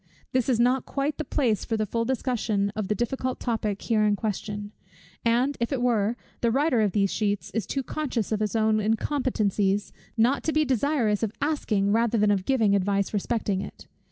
This is not quite the place for the full discussion of the difficult topic here in question: and if it were, the writer of these sheets is too conscious of his own incompetencies, not to be desirous of asking rather than of giving advice respecting it.